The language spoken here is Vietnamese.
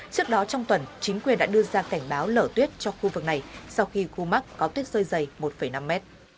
trước đó trong tuần chính quyền đã đưa ra cảnh báo lở tuyết cho khu vực này sau khi khu mắc có tuyết rơi dày một năm mét